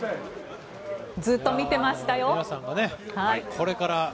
ずっと見てましたよ。